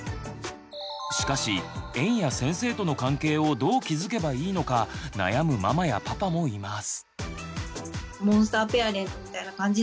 しかし園や先生との関係をどう築けばいいのか悩むママやパパもいます。